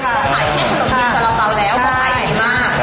ก็ขายขนมจีบสาระเปาแล้วก็คายดีมาก